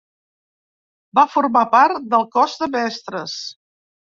Va formar part del cos de Mestres.